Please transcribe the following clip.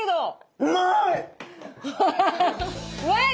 うまい！